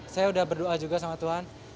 saya udah berdoa juga sama tuhan